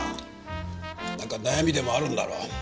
なんか悩みでもあるんだろう。